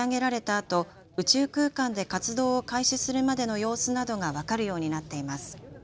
あと宇宙空間で活動を開始するまでの様子などが分かるようになっています。